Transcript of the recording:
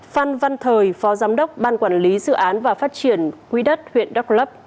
phan văn thời phó giám đốc ban quản lý dự án và phát triển quỹ đất huyện đắk lấp